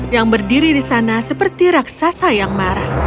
yang berdiri di sana seperti raksasa yang marah